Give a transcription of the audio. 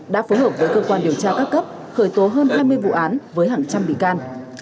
đã phối hợp với cơ quan điều tra các cấp khởi tố hơn hai mươi vụ án với hàng trăm bị can